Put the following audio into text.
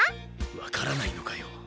分からないのかよ。